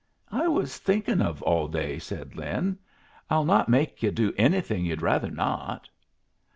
"I was thinkin' of all day," said Lin. "I'll not make yu' do anything yu'd rather not."